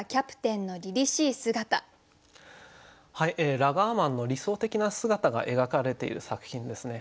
ラガーマンの理想的な姿が描かれている作品ですね。